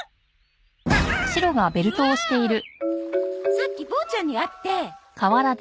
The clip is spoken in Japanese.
さっきボーちゃんに会って。